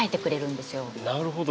なるほど。